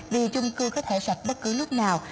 vì chung cư có thể sạch bất cứ lúc nào